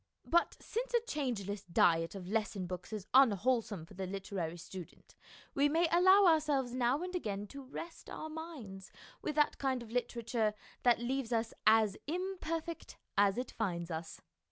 But since a changeless diet of lesson books is unwholesome for the literary student, we may allow ourselves now and again to rest our minds with that kind of literature that leaves us as imperfect as it finds us.